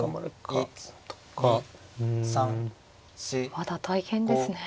まだ大変ですね。